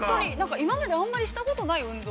◆今まであんまりしたことない運動。